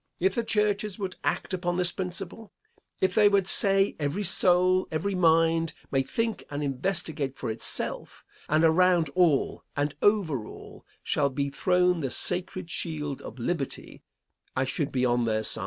If the churches would act upon this principle, if they would say every soul, every mind, may think and investigate for itself; and around all, and over all, shall be thrown the sacred shield of liberty, I should be on their side.